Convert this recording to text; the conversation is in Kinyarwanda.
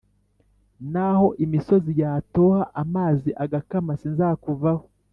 Naho imisozi yatoha amazi agakama sinzakuvaho